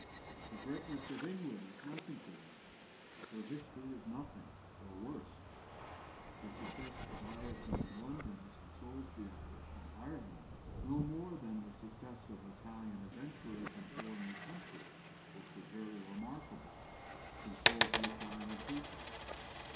The greatness of England is nothing to them. Her history is nothing, or worse. The success of Irishmen in London consoles the Irish in Ireland no more than the success of Italian adventurers in foreign countries (which was very remarkable) consoled the Italian people.